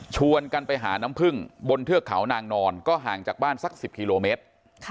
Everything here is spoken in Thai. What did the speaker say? ชวนกันไปหาน้ำพึ่งบนเทือกเขานางนอนก็ห่างจากบ้านสัก๑๐กิโลเมตร